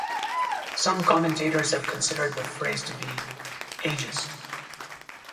Some commentators have considered the phrase to be ageist.